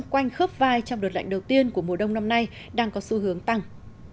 quanh khớp vai trong đợt lạnh đầu tiên của mùa đông năm nay đang có xu hướng tăng